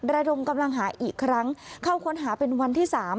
ระดมกำลังหาอีกครั้งเข้าค้นหาเป็นวันที่๓